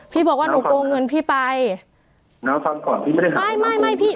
พี่บอกว่าหนูโกงเงินพี่ไปน้าทำก่อนพี่ไม่ได้หาไม่ไม่ไม่พี่